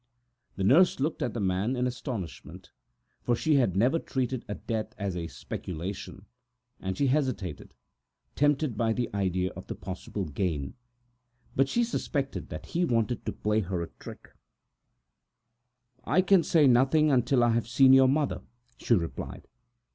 The nurse looked at the man in astonishment, for she had never treated a death as a speculative job, and she hesitated, tempted by the idea of the possible gain. But almost immediately she suspected that he wanted to juggle her. "I can say nothing until I have seen your mother," she replied.